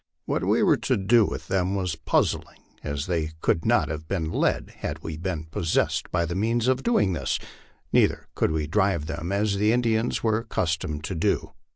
What we were to do with them was puzzling, as they could not have been led had we been possessed of the means of doing this; neither could we drive them as the Indians were accustomed to do.